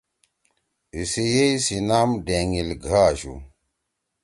ایِسی یِئی سی نام ڈینگیِل گھہ آشُو۔